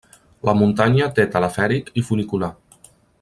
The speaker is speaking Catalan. La muntanya té telefèric i funicular.